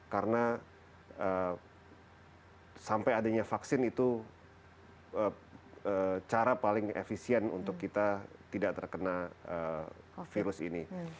karena sampai adanya vaksin itu cara paling efisien untuk kita tidak terkena virus ini